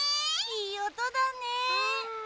いいおとだね。